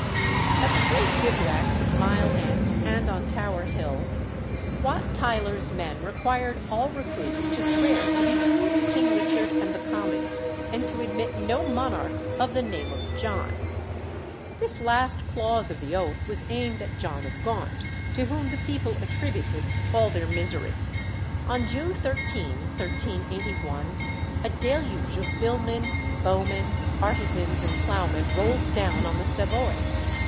At the great bivouacs at Mile End and on Tower Hill, Wat Tyler's men required all recruits to swear to be true to King Richard and the Commons, and to admit no monarch of the name of John. This last clause of the oath was aimed at John of Gaunt, to whom the people attributed all their misery. On June 13, 1381, a deluge of billmen, bowmen, artisans, and ploughmen rolled down on the Savoy.